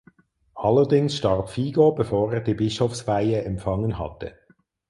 Allerdings starb Vigo bevor er die Bischofsweihe empfangen hatte.